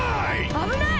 あぶない！